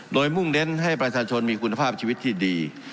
โดยมุ่งเน้นให้ประชาชนมีคุณภาพชีวิตที่ดี